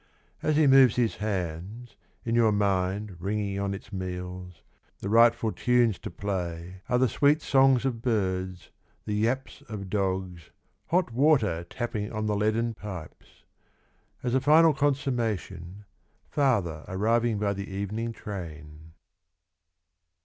As he moves his hands, In your mind ringing on its meals, The rightful tunes to play Are the sweet songs of birds, The yaps of dogs, Hot water tapping on the leaden pipes, — As a final consummation Father arriving by the evening train.